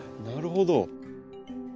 なるほど。